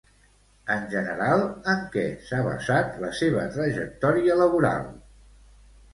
En general, en què s'ha basat la seva trajectòria laboral?